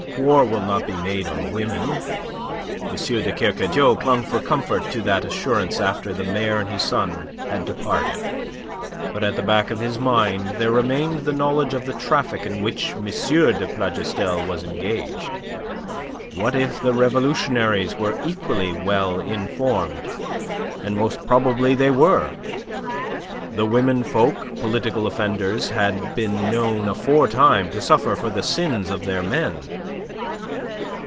War will not be made on women." M. de Kercadiou clung for comfort to that assurance after the mayor and his son had departed. But at the back of his mind there remained the knowledge of the traffic in which M. de Plougastel was engaged. What if the revolutionaries were equally well informed? And most probably they were. The women folk political offenders had been known aforetime to suffer for the sins of their men.